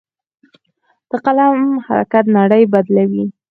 د قلم حرکت نړۍ بدلوي.